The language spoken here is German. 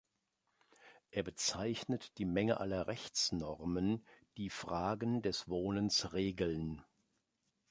Er bezeichnet die Menge aller Rechtsnormen, die Fragen des Wohnens regeln.